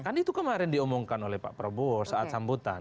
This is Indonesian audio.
kan itu kemarin diumumkan oleh pak prabowo saat sambutan